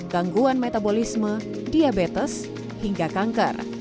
gangguan metabolisme diabetes hingga kanker